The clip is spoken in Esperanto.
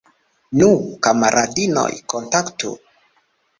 Nu, kamaradinoj, kunkantu!